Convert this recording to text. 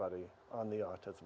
apakah itu menurut anda